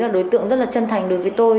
đối tượng rất là chân thành đối với tôi